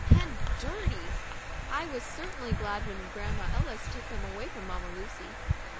And dirty! — I was certainly glad when Grandma Ellis took them away from Mamma Lucy."